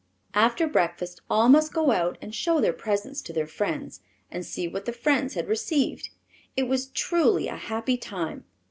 After breakfast all must go out and show their presents to their friends and see what the friends had received. It was truly a happy time.